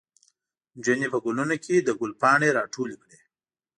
نجونې په ګلونو کې د ګل پاڼې راټولې کړې.